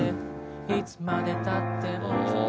「いつまで経っても」